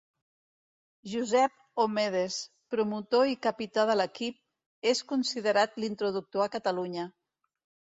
Josep Omedes, promotor i capità de l'equip, és considerat l'introductor a Catalunya.